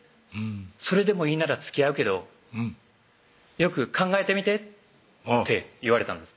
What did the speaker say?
「それでもいいならつきあうけどよく考えてみて」って言われたんです